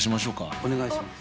お願いします。